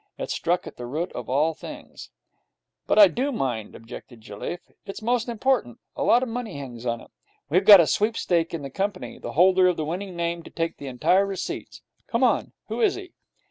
It struck at the root of all things. 'But I do mind,' objected Jelliffe. 'It's most important. A lot of money hangs on it. We've got a sweepstake on in the company, the holder of the winning name to take the entire receipts. Come on. Who is he?'